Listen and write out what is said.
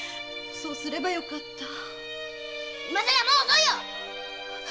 そうすればよかった今さらもう遅いよ勘太